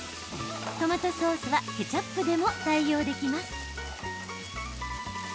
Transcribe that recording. トマトソースはケチャップでも代用できます。